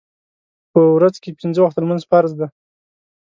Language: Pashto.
په ورځ کې پنځه وخته لمونځ فرض دی